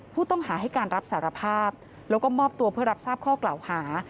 ผู้ต้องหาให้การรับสารภาพแล้วก็มอบตัวเพื่อรับทราบข้อกล่าวหา